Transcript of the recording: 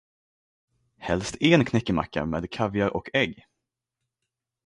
Helst en knäckemacka med kaviar och ägg.